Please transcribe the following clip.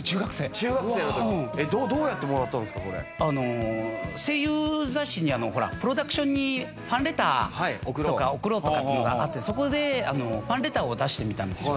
あの声優雑誌にほらプロダクションにファンレターとか送ろうとかっていうのがあってそこでファンレターを出してみたんですよ。